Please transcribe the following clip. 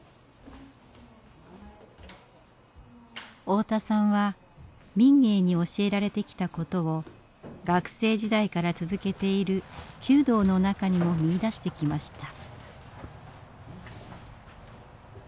太田さんは民藝に教えられてきたことを学生時代から続けている弓道の中にも見いだしてきました。